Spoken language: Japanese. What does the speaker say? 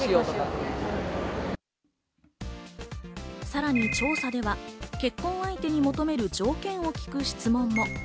さらに調査では、結婚相手に求める条件を聞く質問も。